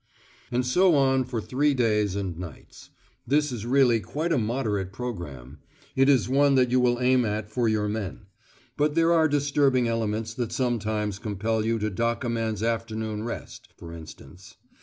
And so on for three days and nights. This is really quite a moderate programme: it is one that you would aim at for your men. But there are disturbing elements that sometimes compel you to dock a man's afternoon rest, for instance.